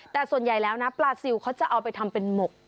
แต่ส่วนใหญ่แล้วนะปลาซิลเขาจะเอาไปทำเป็นหมก